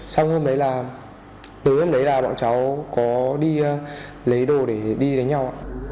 xong hôm đấy là từ hôm đấy là bọn cháu có đi lấy đồ để đi đánh nhau